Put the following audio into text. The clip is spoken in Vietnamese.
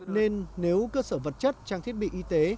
nên nếu cơ sở vật chất trang thiết bị y tế